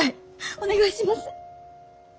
お願いします。